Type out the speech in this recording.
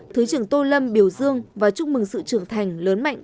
thứ trưởng tô lâm biểu dương và chúc mừng sự trưởng thành lớn mạnh